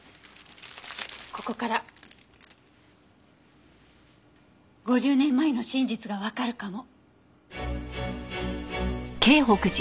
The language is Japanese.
ここから５０年前の真実がわかるかも。